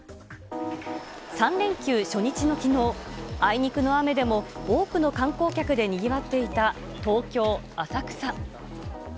３連休初日のきのう、あいにくの雨でも多くの観光客でにぎわっていた、東京・浅草。